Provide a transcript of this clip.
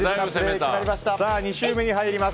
２週目に入ります。